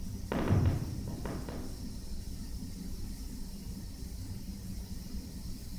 আমাদের প্রতিদিনের রান্নায় যেসব মসলা ব্যবহার করে থাকি, তা-ও পাই গাছপালা থেকে।